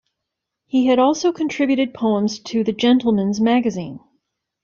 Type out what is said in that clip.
He had also contributed poems to the "Gentleman's Magazine".